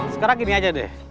sekarang gini aja deh